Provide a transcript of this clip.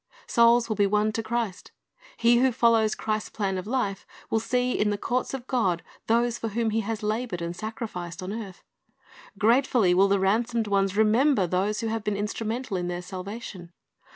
Souls will be won to Christ. He who follows Christ's plan of life, will see in the courts of God those for whom he has labored and sacrificed on earth. Gratefully will the ransomed ones remember those who ha\'e been instrumental in their salvation.